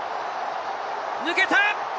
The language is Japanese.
抜けた！